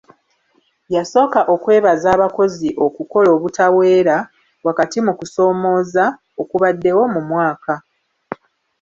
Yasooka okwebaza abakozi okukola obutaweera wakati mu kusoomooza okubaddewo mu mwaka.